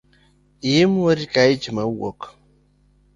Imuomori ka ich mamwuok